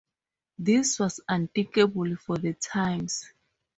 This was unthinkable for the times.